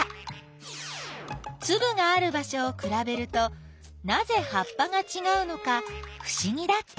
つぶがある場しょをくらべるとなぜ葉っぱがちがうのかふしぎだった。